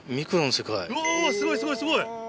うわすごいすごいすごい！